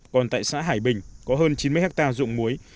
còn tại xã hải bình có hơn chín mươi hectare dụng muối